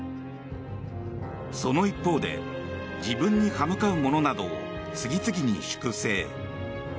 その一方で自分に刃向かう者などを次々に粛清。